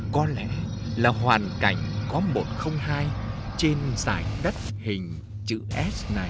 có lẽ là hoàn cảnh có một không hai trên dải đất hình chữ s này